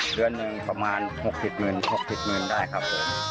เดือนนี้ประมาณ๖๐๐๐๐๖๐๐๐๐ได้ครับ